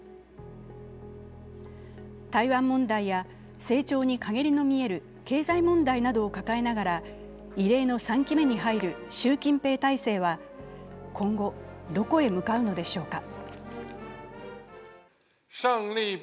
台湾問題や、成長に陰りの見える経済問題などを抱えながら異例の３期目に入る習近平体制は今後、どこへ向かうのでしょうか。